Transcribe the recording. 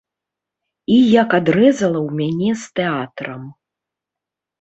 І як адрэзала ў мяне з тэатрам.